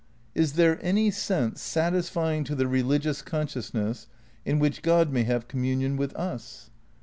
Is there any sense, satisfying to the religious con sciousness, in which God may have communion with us?